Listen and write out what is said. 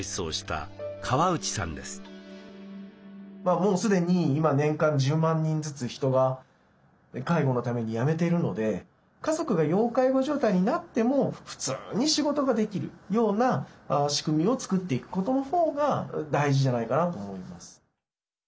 もう既に年間１０万人ずつ人が介護のために辞めているので家族が要介護状態になっても普通に仕事ができるような仕組みを作っていくことのほうが大事じゃないかなと思います。